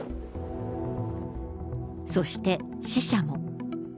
そして死者も。